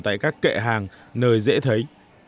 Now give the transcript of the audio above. tại các kệ hàng nơi dễ thấy